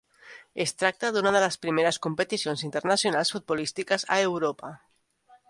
Es tracta d'una de les primeres competicions internacionals futbolístiques a Europa.